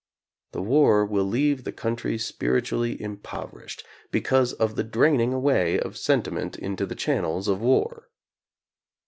The war will leave the country spiritually impoverished, because of the draining away of sentiment into the channels of war.